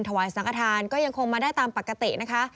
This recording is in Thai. ถวายสังกฐานก็ยังคงมาได้ตามปกตินะคะ